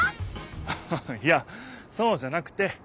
ハハハいやそうじゃなくて